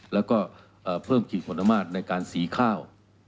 แล้วก็เพิ่มขีดความสามารถในการสีข้าว